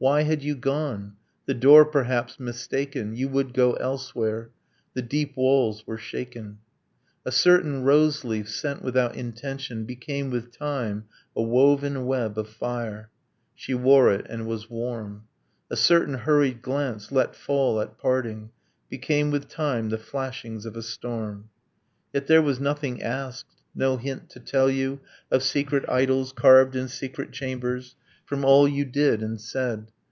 Why had you gone? ... The door, perhaps, mistaken ... You would go elsewhere. The deep walls were shaken. A certain rose leaf sent without intention Became, with time, a woven web of fire She wore it, and was warm. A certain hurried glance, let fall at parting, Became, with time, the flashings of a storm. Yet, there was nothing asked, no hint to tell you Of secret idols carved in secret chambers From all you did and said.